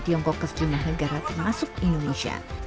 tiongkok ke sejumlah negara termasuk indonesia